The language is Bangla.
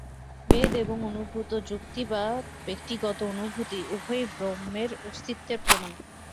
বেদ এবং অনুভূত যুক্তি বা ব্যক্তিগত অনুভূতি উভয়ই ব্রহ্মের অস্তিত্বের প্রমাণ।